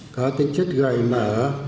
có tính chất gợi mở